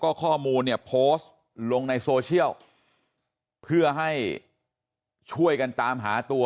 ก็ข้อมูลเนี่ยโพสต์ลงในโซเชียลเพื่อให้ช่วยกันตามหาตัว